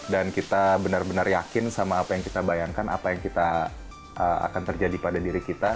dan kita benar benar yakin sama apa yang kita bayangkan apa yang akan terjadi pada diri kita